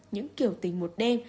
những kiểu tình một đêm